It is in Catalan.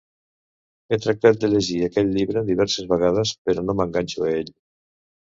He tractat de llegit aquell llibre diverses vegades, però no m'enganxo a ell.